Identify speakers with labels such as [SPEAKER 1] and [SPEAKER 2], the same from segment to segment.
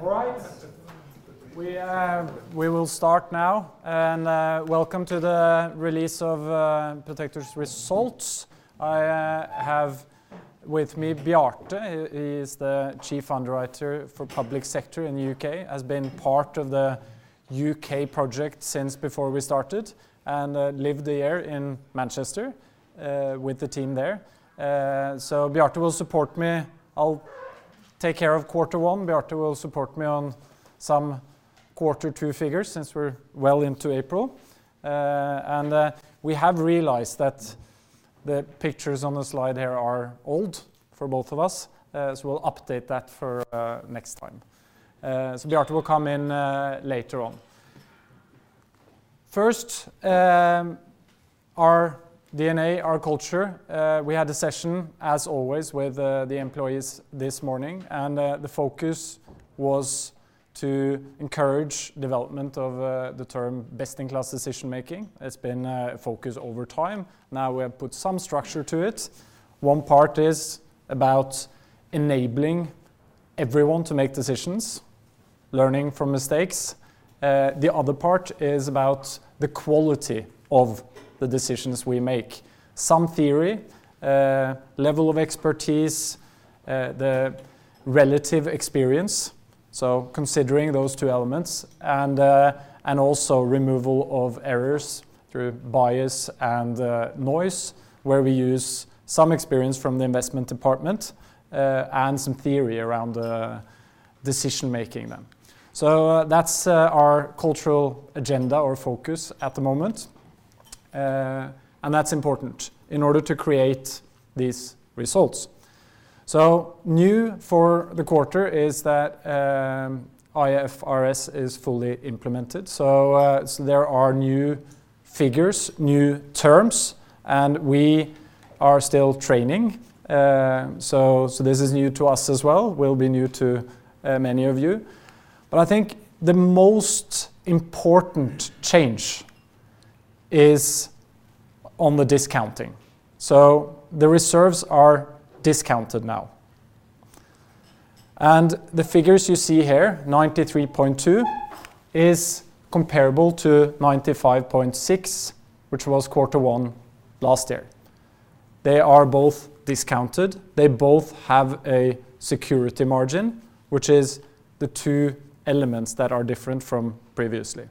[SPEAKER 1] Right. We will start now. Welcome to the release of Protector's results. I have with me Bjarte. He is the Chief Underwriter for public sector in UK, has been part of the UK project since before we started, and lived a year in Manchester with the team there. Bjarte will support me. I'll take care of quarter one. Bjarte will support me on some quarter two figures since we're well into April. We have realized that the pictures on the slide here are old for both of us. We'll update that for next time. Bjarte will come in later on. First, our DNA, our culture, we had a session as always with the employees this morning, the focus was to encourage development of the term best-in-class decision-making. It's been a focus over time. Now we have put some structure to it. One part is about enabling everyone to make decisions, learning from mistakes. The other part is about the quality of the decisions we make. Some theory, level of expertise, the relative experience, considering those two elements, and also removal of errors through bias and noise, where we use some experience from the investment department and some theory around decision-making then. That's our cultural agenda or focus at the moment, and that's important in order to create these results. New for the quarter is that IFRS is fully implemented. There are new figures, new terms, and we are still training. This is new to us as well, will be new to many of you. I think the most important change is on the discounting. The reserves are discounted now. The figures you see here, 93.2, is comparable to 95.6, which was quarter one last year. They are both discounted. They both have a security margin, which is the two elements that are different from previously.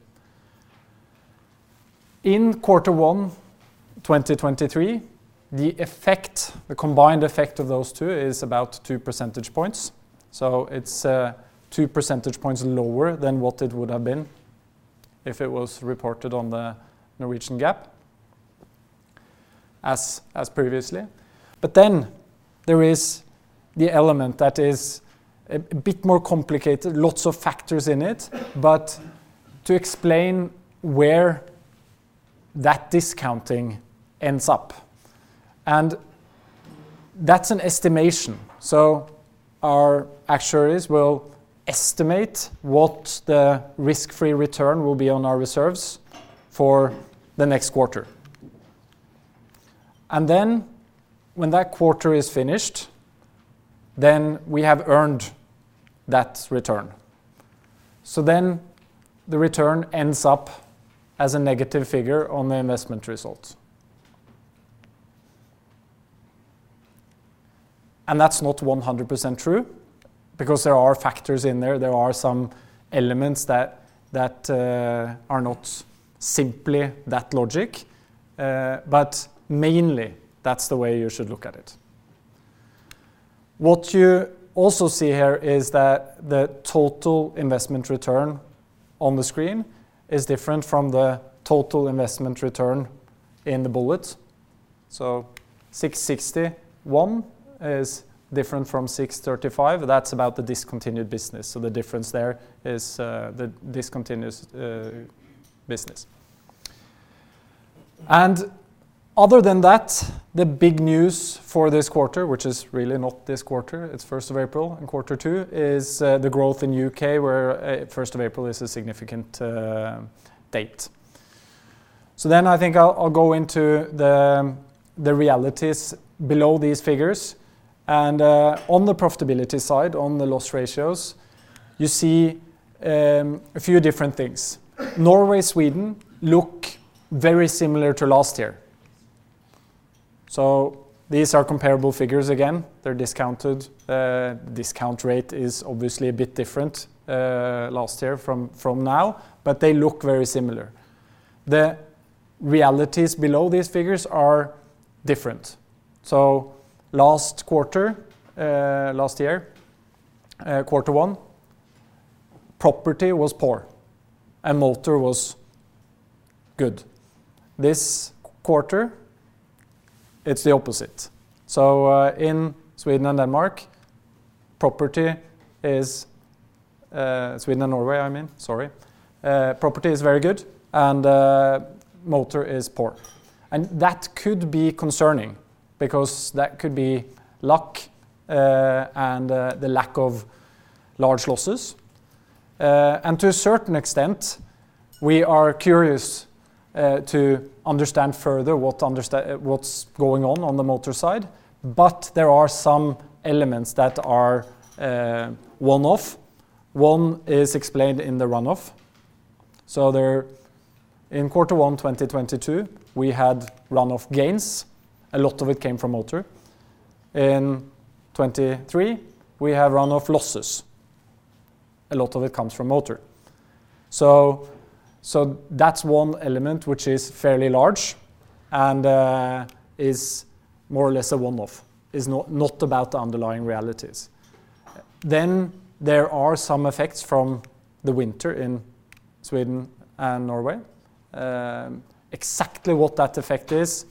[SPEAKER 1] In quarter one 2023, the combined effect of those two is about 2% points. It's 2% points lower than what it would have been if it was reported on the Norwegian GAAP as previously. There is the element that is a bit more complicated, lots of factors in it, to explain where that discounting ends up. That's an estimation. Our actuaries will estimate what the risk-free return will be on our reserves for the next quarter. When that quarter is finished, then we have earned that return. The return ends up as a negative figure on the investment results. That's not 100% true because there are factors in there. There are some elements that are not simply that logic, but mainly that's the way you should look at it. What you also see here is that the total investment return on the screen is different from the total investment return in the bullet. 661 is different from 635. That's about the discontinued business. The difference there is the discontinued business. Other than that, the big news for this quarter, which is really not this quarter, it's 1st of April and Q2, is the growth in U.K., where 1st of April is a significant date. I think I'll go into the realities below these figures. On the profitability side, on the loss ratios, you see a few different things. Norway, Sweden look very similar to last year. These are comparable figures again. They're discounted. Discount rate is obviously a bit different last year from now, but they look very similar. The realities below these figures are different. Last quarter, last year, Q1, property was poor and motor was good. This quarter, it's the opposite. In Sweden and Denmark, property is, Sweden and Norway, I mean, sorry. Property is very good and motor is poor. That could be concerning because that could be luck, and the lack of large losses. To a certain extent, we are curious, to understand further what's going on on the motor side, but there are some elements that are one-off. One is explained in the run-off. There, in quarter one 2022, we had run-off gains. A lot of it came from motor. In 2023, we have run-off losses. A lot of it comes from motor. That's one element which is fairly large and is more or less a one-off, is not about the underlying realities. There are some effects from the winter in Sweden and Norway. Exactly what that effect is,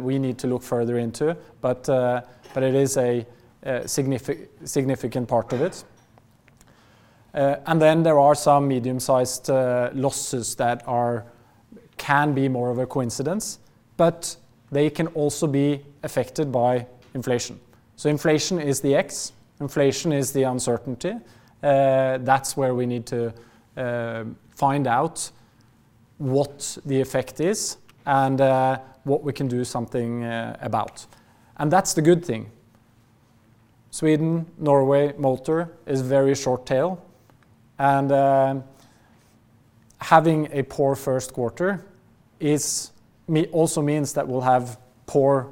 [SPEAKER 1] we need to look further into, but it is a significant part of it. Then there are some medium-sized losses that can be more of a coincidence, but they can also be affected by inflation. Inflation is the X, inflation is the uncertainty. That's where we need to find out what the effect is and what we can do something about. That's the good thing. Sweden, Norway, motor is very short tail. Having a poor first quarter also means that we'll have poor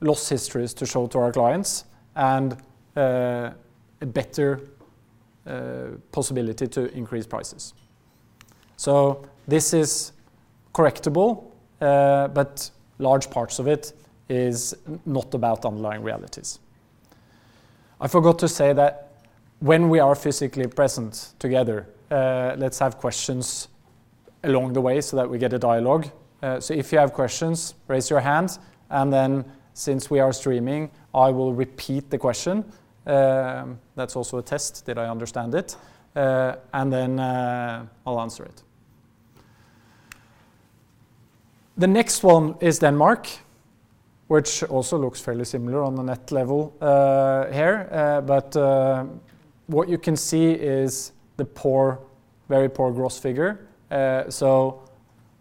[SPEAKER 1] loss histories to show to our clients and a better possibility to increase prices. This is correctable, but large parts of it is not about underlying realities. I forgot to say that when we are physically present together, let's have questions along the way so that we get a dialogue. If you have questions, raise your hand. Since we are streaming, I will repeat the question. That's also a test, did I understand it? I'll answer it. The next one is Denmark, which also looks fairly similar on the net level here. What you can see is the poor, very poor gross figure.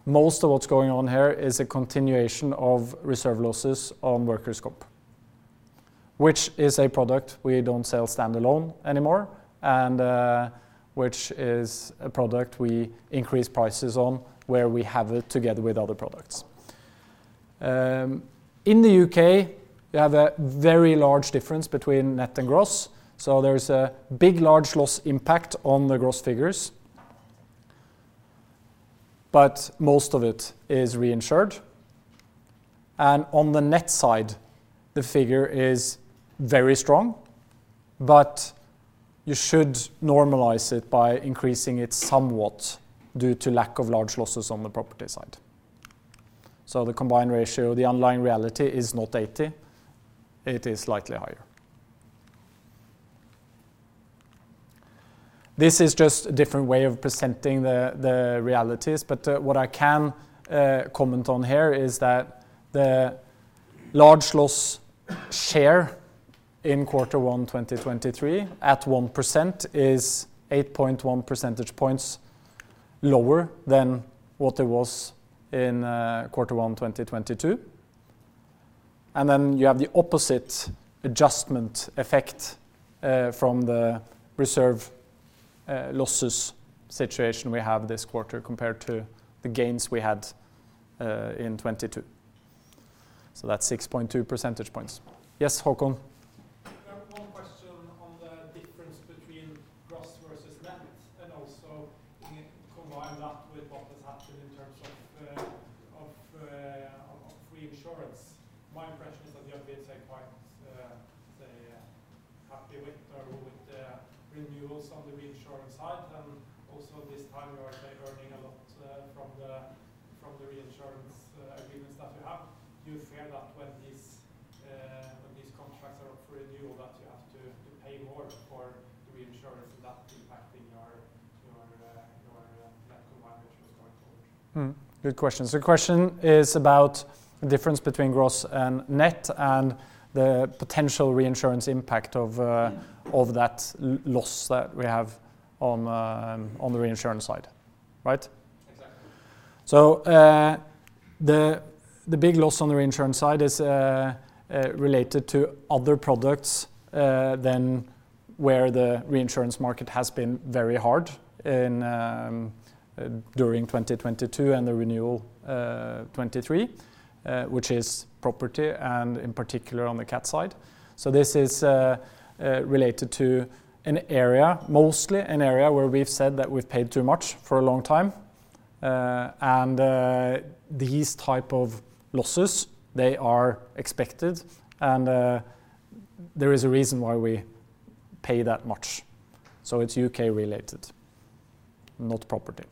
[SPEAKER 1] Most of what's going on here is a continuation of reserve losses on Workers' Comp, which is a product we don't sell stand alone anymore, and which is a product we increase prices on where we have it together with other products. In the U.K., you have a very large difference between net and gross. There is a big, large loss impact on the gross figures. Most of it is reinsured. On the net side, the figure is very strong, but you should normalize it by increasing it somewhat due to lack of large losses on the property side. The combined ratio, the underlying reality is not 80, it is slightly higher. This is just a different way of presenting the realities, but what I can comment on here is that the large loss share in Q1 2023 at 1% is 8.1% points lower than what it was in Q1 2022. You have the opposite adjustment effect from the reserve losses situation we have this quarter compared to the gains we had in 2022. That's 6.2% points. Yes, Håkon.
[SPEAKER 2] One question on the difference between gross versus net and also combine that with what has happened in terms of reinsurance. My impression is that you have been, say, quite, say, happy with the renewals on the reinsurance side. Also this time, you are, say, earning a lot from the reinsurance agreements that you have. Do you fear that when these contracts are up for renewal, that you have to pay more for the reinsurance and that impacting your net combined ratio going forward?
[SPEAKER 1] Good question. The question is about the difference between gross and net and the potential reinsurance impact of that loss that we have on the reinsurance side. Right?
[SPEAKER 2] Exactly.
[SPEAKER 1] The big loss on the reinsurance side is related to other products than where the reinsurance market has been very hard in during 2022 and the renewal 2023, which is property and in particular on the Nat Cat side. This is related to an area, mostly an area where we've said that we've paid too much for a long time. These type of losses, they are expected, there is a reason why we pay that much. It's U.K. -related, not property.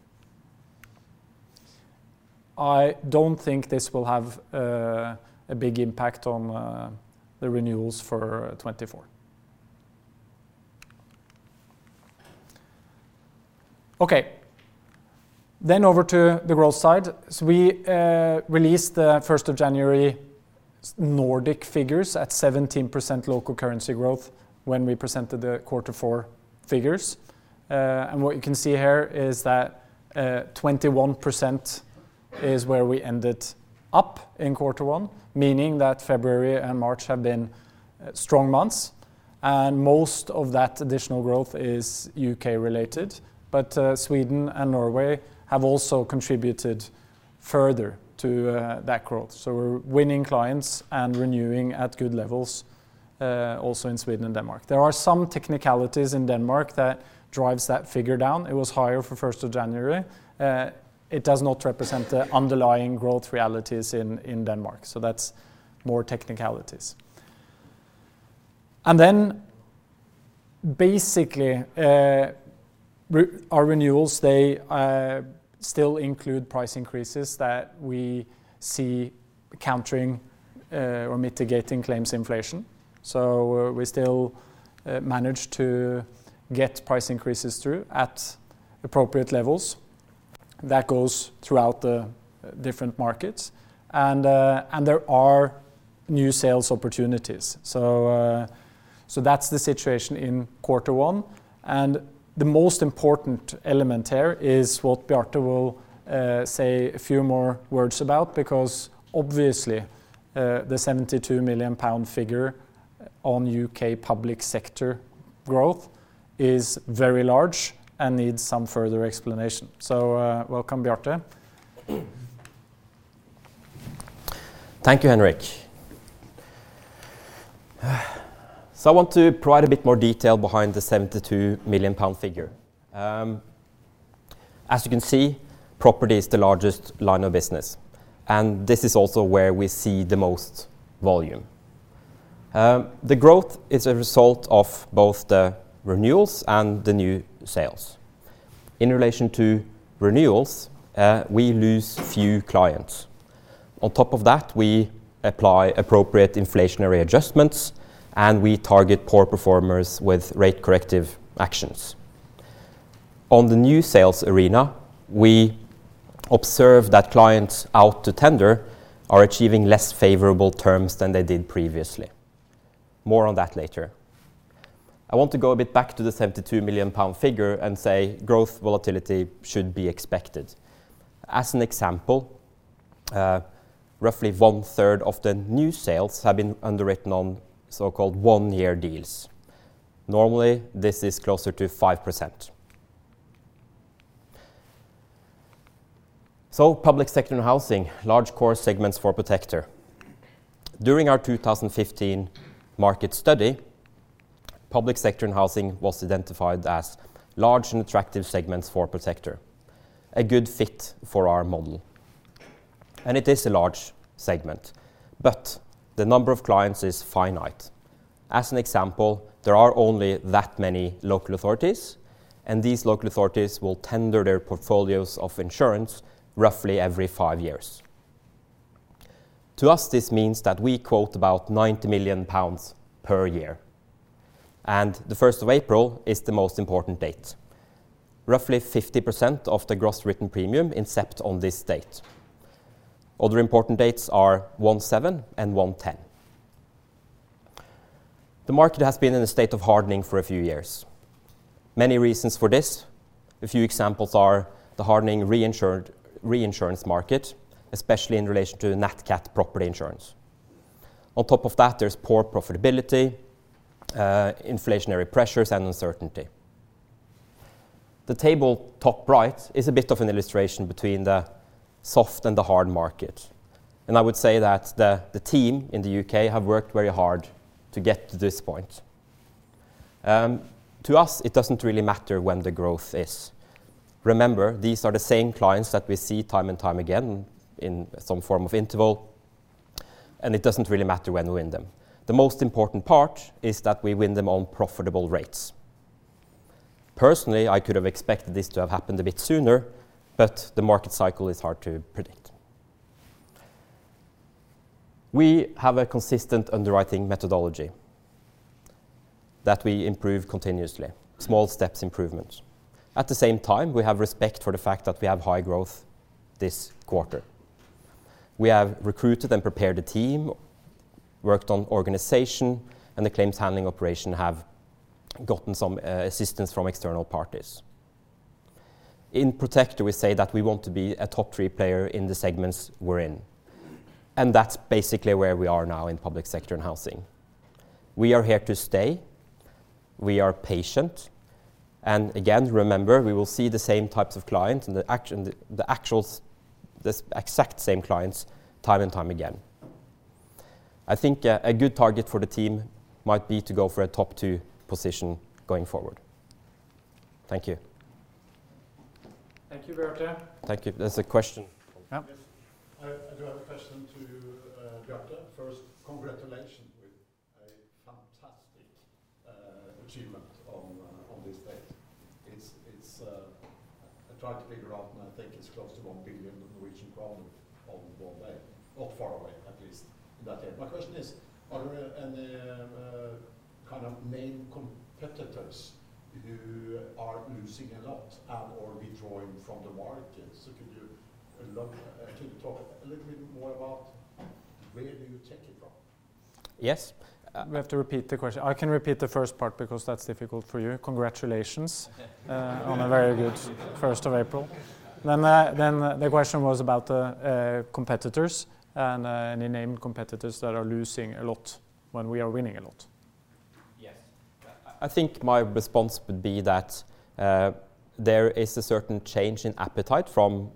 [SPEAKER 1] I don't think this will have a big impact on the renewals for 2024. Over to the growth side. We released the 1st of January Nordic figures at 17% local currency growth when we presented the Q4 figures. What you can see here is that 21% is where we ended up in Q1, meaning that February and March have been strong months. Most of that additional growth is U.K. related, but Sweden and Norway have also contributed further to that growth. We're winning clients and renewing at good levels also in Sweden and Denmark. There are some technicalities in Denmark that drives that figure down. It was higher for 1st of January. It does not represent the underlying growth realities in Denmark. That's more technicalities. Basically, our renewals, they still include price increases that we see countering or mitigating claims inflation. We still manage to get price increases through at appropriate levels. That goes throughout the different markets. There are new sales opportunities. That's the situation in quarter one. The most important element here is what Bjarte will say a few more words about, because obviously, the 72 million pound figure on UK public sector growth is very large and needs some further explanation. Welcome, Bjarte.
[SPEAKER 3] Thank you, Henrik. I want to provide a bit more detail behind the 72 million pound figure. As you can see, property is the largest line of business, and this is also where we see the most volume. The growth is a result of both the renewals and the new sales. In relation to renewals, we lose few clients. On top of that, we apply appropriate inflationary adjustments, and we target poor performers with rate corrective actions. On the new sales arena, we observe that clients out to tender are achieving less favorable terms than they did previously. More on that later. I want to go a bit back to the 72 million pound figure and say growth volatility should be expected. As an example, roughly one-third of the new sales have been underwritten on so-called one-year deals. Normally, this is closer to 5%. Public sector and housing, large core segments for Protector. During our 2015 market study, public sector and housing was identified as large and attractive segments for Protector, a good fit for our model. It is a large segment, but the number of clients is finite. As an example, there are only that many local authorities, and these local authorities will tender their portfolios of insurance roughly every five years. To us, this means that we quote about 90 million pounds per year, and the first of April is the most important date. Roughly 50% of the gross written premium incept on this date. Other important dates are 1/7 and 1/10. The market has been in a state of hardening for a few years. Many reasons for this. A few examples are the hardening reinsurance market, especially in relation to Nat Cat property insurance. On top of that, there's poor profitability, inflationary pressures, and uncertainty. The table top right is a bit of an illustration between the soft and the hard market. I would say that the team in the U.K. have worked very hard to get to this point. To us, it doesn't really matter when the growth is. Remember, these are the same clients that we see time and time again in some form of interval. It doesn't really matter when we win them. The most important part is that we win them on profitable rates. Personally, I could have expected this to have happened a bit sooner. The market cycle is hard to predict. We have a consistent underwriting methodology that we improve continuously, small steps improvements. At the same time, we have respect for the fact that we have high growth this quarter. We have recruited and prepared a team, worked on organization, and the claims handling operation have gotten some assistance from external parties. In Protector, we say that we want to be a top three player in the segments we're in, and that's basically where we are now in public sector and housing. We are here to stay, we are patient, and again, remember, we will see the same types of clients and the exact same clients time and time again. I think a good target for the team might be to go for a top two position going forward. Thank you.
[SPEAKER 1] Thank you, Bjarte.
[SPEAKER 3] Thank you. There's a question.
[SPEAKER 1] Yeah.
[SPEAKER 4] I do have a question to Bjarte. First, congratulations with a fantastic achievement on this date. It's I tried to figure out, and I think it's close to 1 billion Norwegian kroner on one day, or far away, at least in that area. My question is, are there any kind of main competitors. You are losing a lot, or withdrawing from the market. Could you, look, can you talk a little bit more about where do you take it from?
[SPEAKER 1] Yes. We have to repeat the question. I can repeat the first part because that's difficult for you. Congratulations on a very good first of April. The question was about the competitors and any named competitors that are losing a lot when we are winning a lot.
[SPEAKER 3] Yes. I think my response would be that there is a certain change in appetite from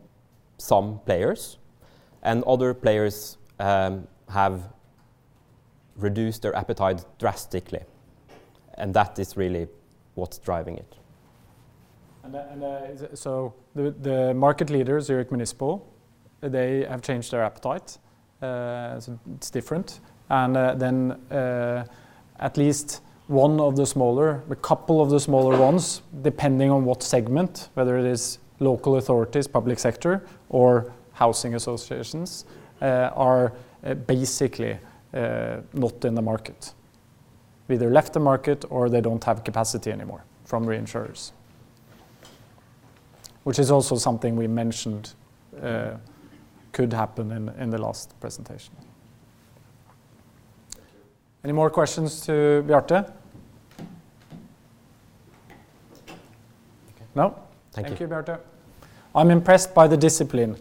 [SPEAKER 3] some players. Other players have reduced their appetite drastically. That is really what's driving it.
[SPEAKER 1] The market leader is Zurich Municipal. They have changed their appetite. It's different. At least one of the smaller, a couple of the smaller ones, depending on what segment, whether it is local authorities, public sector, or housing associations, are basically not in the market. Either left the market or they don't have capacity anymore from reinsurers. Which is also something we mentioned could happen in the last presentation.
[SPEAKER 4] Thank you.
[SPEAKER 1] Any more questions to Bjarte? No?
[SPEAKER 4] Thank you.
[SPEAKER 1] Thank you, Bjarte. I'm impressed by the discipline.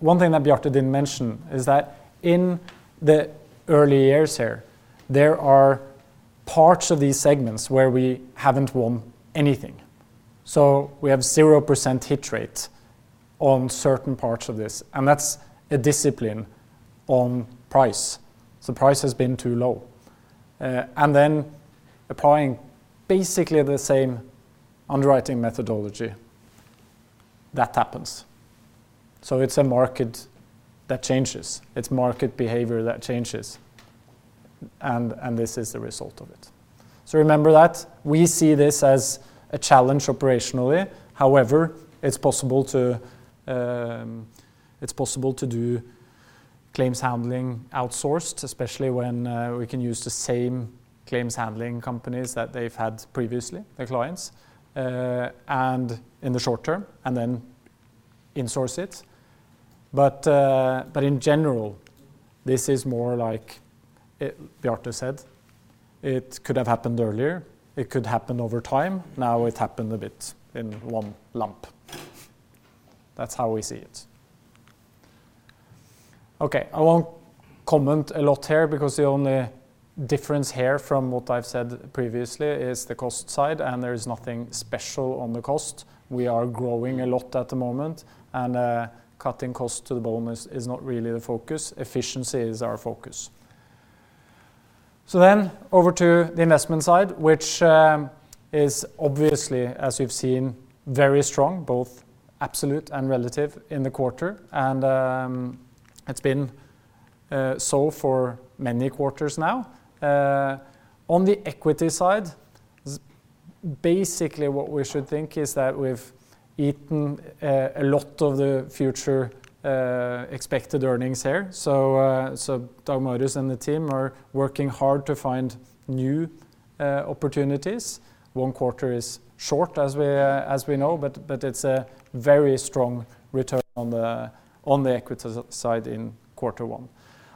[SPEAKER 1] One thing that Bjarte didn't mention is that in the early years here, there are parts of these segments where we haven't won anything. We have 0% hit rate on certain parts of this, and that's a discipline on price. Price has been too low. And then applying basically the same underwriting methodology, that happens. It's a market that changes. It's market behavior that changes and this is the result of it. Remember that. We see this as a challenge operationally. It's possible to, it's possible to do claims handling outsourced, especially when we can use the same claims handling companies that they've had previously, their clients, and in the short term, and then in-source it. But in general, this is more like it-- Bjarte said. It could have happened earlier. It could happen over time. Now it happened a bit in one lump. That's how we see it. Okay. I won't comment a lot here because the only difference here from what I've said previously is the cost side, and there is nothing special on the cost. We are growing a lot at the moment, and cutting costs to the bone is not really the focus. Efficiency is our focus. Over to the investment side, which is obviously, as you've seen, very strong, both absolute and relative in the quarter, and it's been so for many quarters now. On the equity side, basically what we should think is that we've eaten a lot of the future expected earnings here. Dag Marius and the team are working hard to find new opportunities. One quarter is short, as we know, but it's a very strong return on the equity side in quarter one.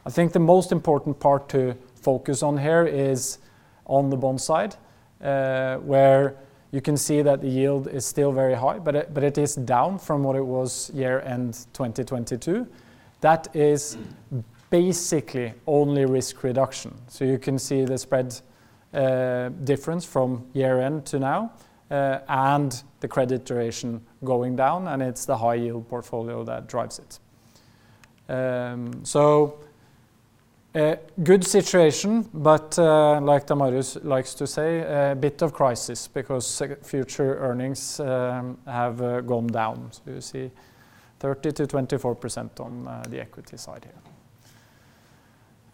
[SPEAKER 1] I think the most important part to focus on here is on the bond side, where you can see that the yield is still very high, but it is down from what it was year-end 2022. That is basically only risk reduction. You can see the spread difference from year-end to now, and the credit duration going down, and it's the high-yield portfolio that drives it. A good situation, but like Dag Marius likes to say, a bit of crisis because future earnings have gone down. You see 30%-24% on the equity side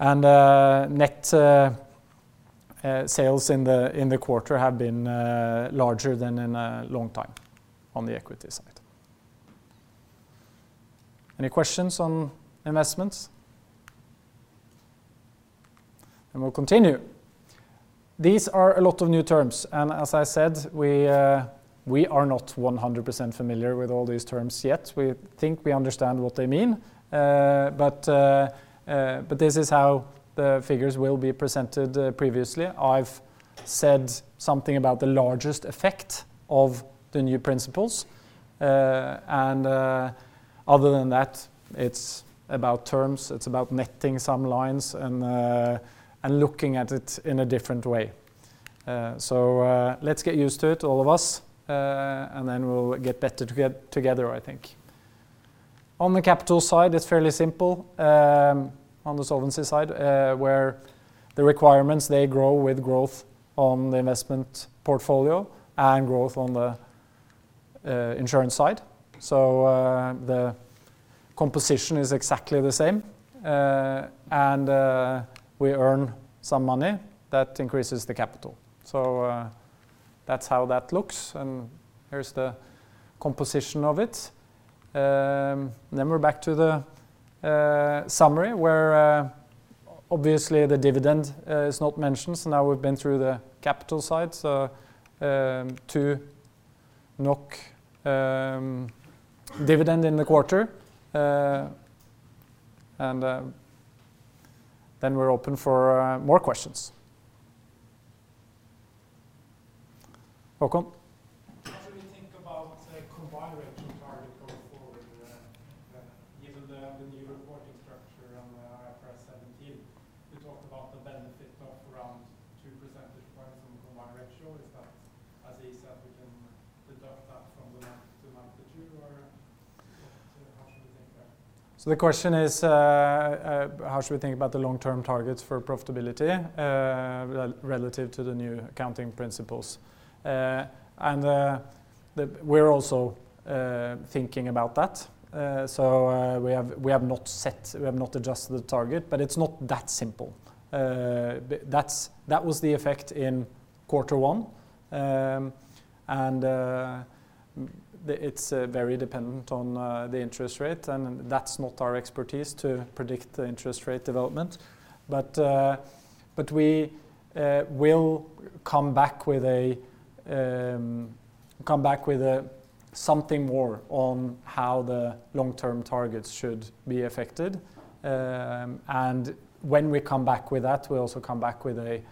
[SPEAKER 1] here. Net sales in the quarter have been larger than in a long time on the equity side. Any questions on investments? We'll continue. These are a lot of new terms. As I said, we are not 100% familiar with all these terms yet. We think we understand what they mean, but this is how the figures will be presented previously. I've said something about the largest effect of the new principles. Other than that, it's about terms, it's about netting some lines and looking at it in a different way. Let's get used to it, all of us. Then we'll get better together, I think. On the capital side, it's fairly simple, on the solvency side, where the requirements, they grow with growth on the investment portfolio and growth on the insurance side. The composition is exactly the same, and we earn some money. That increases the capital. That's how that looks, and here's the composition of it. Then we're back to the summary where Obviously the dividend is not mentioned. Now we've been through the capital side. 2 NOK dividend in the quarter, and then we're open for more questions. Welcome.
[SPEAKER 5] How do you think about, say, combined ratio target going forward, given the new reporting structure on the IFRS 17? You talked about the benefit of around two percentage points on the combined ratio. Is that, as Isak, we can deduct that from the magnitude or... How should we think there?
[SPEAKER 1] The question is, how should we think about the long-term targets for profitability relative to the new accounting principles? And we're also thinking about that. We have not set, we have not adjusted the target, but it's not that simple. That was the effect in quarter one, and it's very dependent on the interest rate, and that's not our expertise to predict the interest rate development. We will come back with a something more on how the long-term targets should be affected. When we come back with that, we also come back with a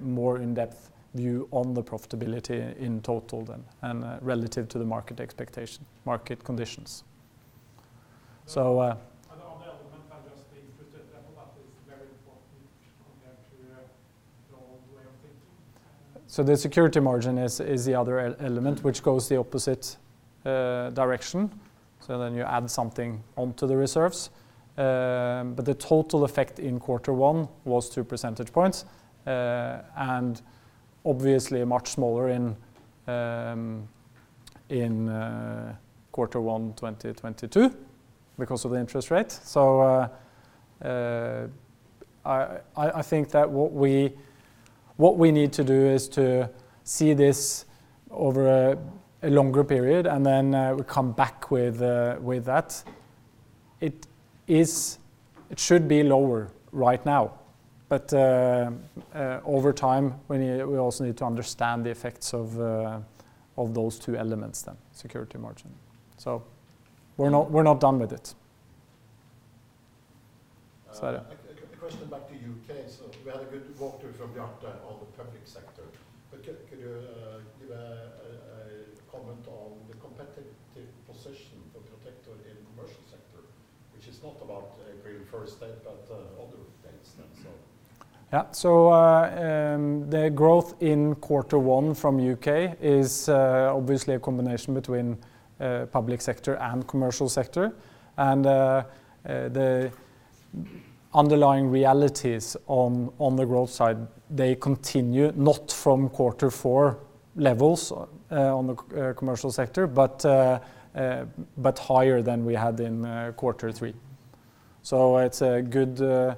[SPEAKER 1] more in-depth view on the profitability in total then and relative to the market expectation, market conditions.
[SPEAKER 5] On the element adjusting future capital that is very important compared to your way of thinking.
[SPEAKER 1] The security margin is the other element which goes the opposite direction. Then you add something onto the reserves. The total effect in quarter one was 2% points and obviously much smaller in quarter one 2022 because of the interest rate. I think that what we need to do is to see this over a longer period, and then we come back with that. It should be lower right now, but over time, we also need to understand the effects of those two elements then, security margin. We're not, we're not done with it. Sara.
[SPEAKER 5] A question back to U.K. We had a good quarter from the other, all the public sector. Could you give a comment on the competitive position for Protector in commercial sector, which is not about Grenfell but other things.
[SPEAKER 1] Yeah. The growth in quarter one from U.K. is obviously a combination between public sector and commercial sector, and the underlying realities on the commercial sector, but higher than we had in quarter three. So it is good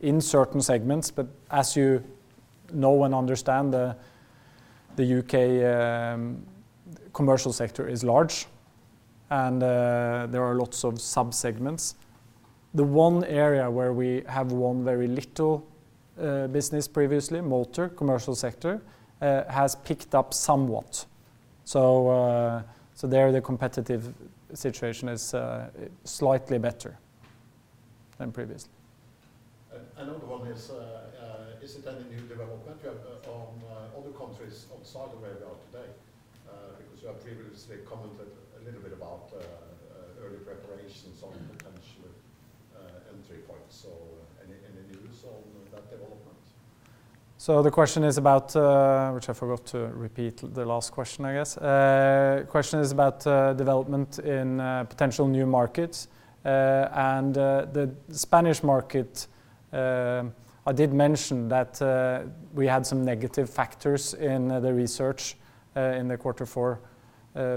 [SPEAKER 1] in certain segments, but as you know and understand, the UK Commercial Sector is large and there are lots of sub-segments. The one area where we have won very little business previously, motor commercial sector, has picked up somewhat. So there the competitive situation is slightly better than previously.
[SPEAKER 5] Is it any new development you have on other countries outside of where we are today? Because you have previously commented a little bit about early preparations on potential entry points. Any news on that development?
[SPEAKER 1] The question is about which I forgot to repeat the last question, I guess. Question is about development in potential new markets and the Spanish market, I did mention that we had some negative factors in the research in the quarter four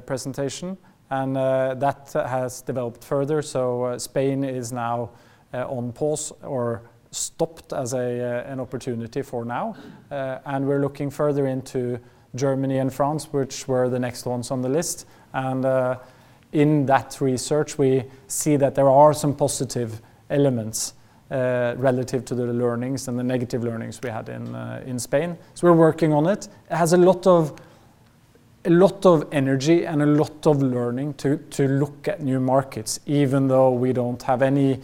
[SPEAKER 1] presentation, and that has developed further. Spain is now on pause or stopped as an opportunity for now, and we're looking further into Germany and France, which were the next ones on the list. In that research, we see that there are some positive elements relative to the learnings and the negative learnings we had in Spain. We're working on it. It has a lot of energy and a lot of learning to look at new markets, even though we don't have any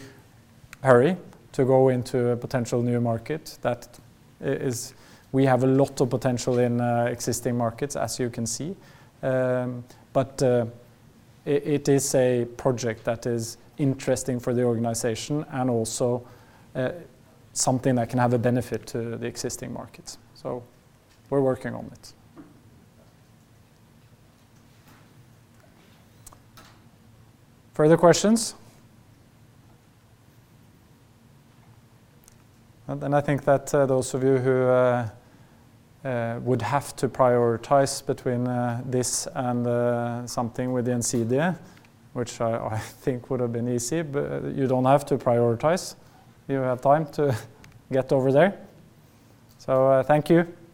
[SPEAKER 1] hurry to go into a potential new market. We have a lot of potential in existing markets, as you can see. It is a project that is interesting for the organization and also something that can have a benefit to the existing markets. We're working on it. Further questions? Then I think that those of you who would have to prioritize between this and something with NCD, which I think would have been easy, but you don't have to prioritize. You have time to get over there. Thank you.
[SPEAKER 5] Thank you.